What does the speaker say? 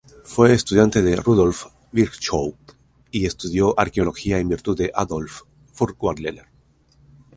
Fue estudiante de Rudolf Virchow y estudió arqueología en virtud de Adolf Furtwängler.